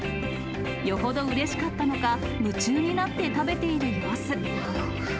よほどうれしかったのか、夢中になって食べている様子。